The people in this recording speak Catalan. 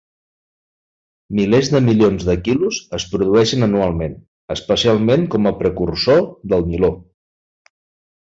Milers de milions de quilos es produeixen anualment, especialment com a precursor del niló.